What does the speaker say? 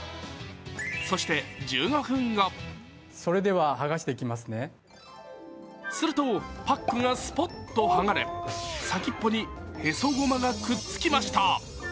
そして１５分後するとパックがすぽっとはがれ、先っぽにへそごまがくっつきました。